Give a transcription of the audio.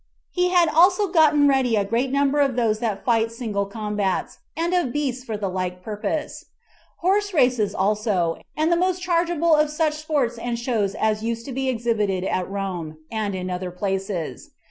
He had also gotten ready a great number of those that fight single combats, and of beasts for the like purpose; horse races also, and the most chargeable of such sports and shows as used to be exhibited at Rome, and in other places.